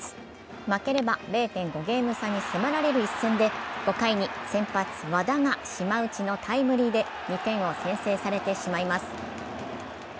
負ければ０．５ゲーム差に迫られる一戦で５回に先発・和田が島内のタイムリーで２点を先制されてしまいます。